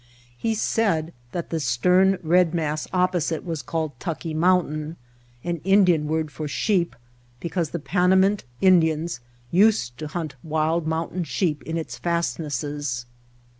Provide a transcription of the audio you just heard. He said that the stern, red mass White Heart of Mojave opposite was called Tucki Mountain, an Indian word for sheep, because the Panamint Indians used to hunt wild mountain sheep in its fast nesses.